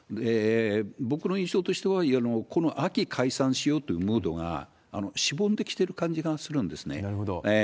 僕の印象としては、この秋解散しようっていうムードがしぼんできてる感じがするんですね。